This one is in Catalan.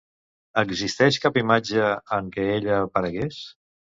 Existeix cap imatge en què ella aparegués?